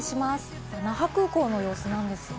那覇空港の様子なんですが。